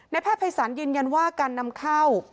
แพทย์ภัยศาลยืนยันว่าการนำเข้า